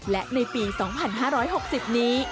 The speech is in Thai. และในปี๒๕๖๐นี้